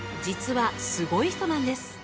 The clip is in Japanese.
実はすごい人なんです